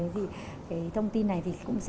thế thì cái thông tin này thì cũng sẽ